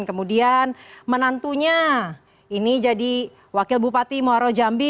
kemudian menantunya ini jadi wakil bupati muarau jambi